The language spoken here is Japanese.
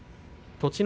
栃ノ